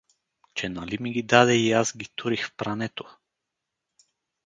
Че нали ми ги даде и аз ги турих в прането.